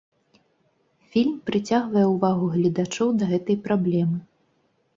Фільм прыцягвае ўвагу гледачоў да гэтай праблемы.